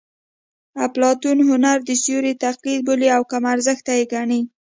اپلاتون هنر د سیوري تقلید بولي او کم ارزښته یې ګڼي